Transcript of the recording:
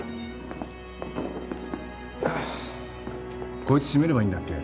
こいつしめればいいんだっけ？